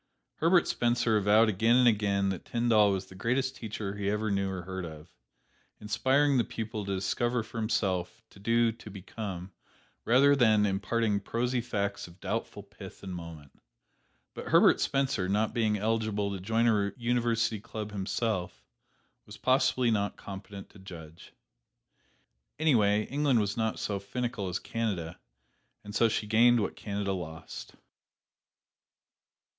Herbert Spencer avowed again and again that Tyndall was the greatest teacher he ever knew or heard of, inspiring the pupil to discover for himself, to do, to become, rather than imparting prosy facts of doubtful pith and moment. But Herbert Spencer, not being eligible to join a university club himself, was possibly not competent to judge. Anyway, England was not so finical as Canada, and so she gained what Canada lost.